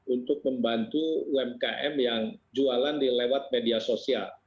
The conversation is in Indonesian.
untuk membantu umkm yang jualan di lewat media sosial